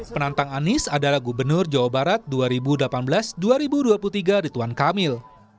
penantang anies adalah gubernur jawa barat dua ribu delapan belas dua ribu dua puluh tiga rituan kamil